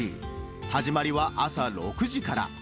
始まりは朝６時から。